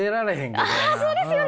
ああそうですよね！